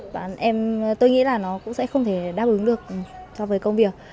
bản em tôi nghĩ là nó cũng sẽ không thể đáp ứng được so với công việc